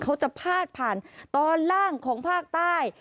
เขาจะพาดผ่านตอนล่างของภาคใต้